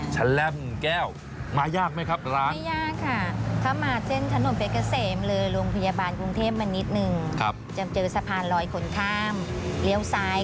ใช่ลองชิดดูได้เลยค่ะที่ร้านนี้